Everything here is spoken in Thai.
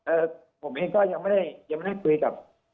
ผมเองก็ยังไม่ได้ยังไม่ได้คุยกับ